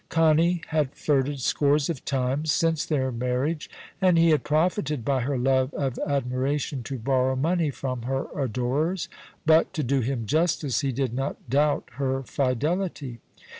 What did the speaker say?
Connie had flirted scores of times since their marriage, and he had profited by her love of admiration to borrow money from her adorers ; but, to do him justice, he did not doubt her fidelity.